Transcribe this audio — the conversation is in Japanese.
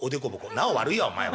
「なお悪いわお前は。